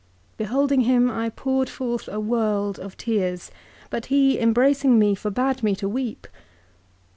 Beholding him I poured forth a world of tears, but he, embracing me, forbade me to weep.